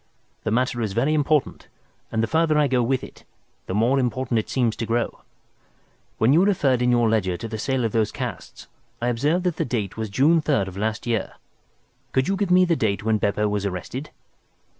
The matter is very important, and the farther I go with it, the more important it seems to grow. When you referred in your ledger to the sale of those casts I observed that the date was June 3rd of last year. Could you give me the date when Beppo was arrested?"